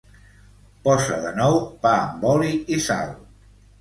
Posa de nou "Pa amb oli i sal".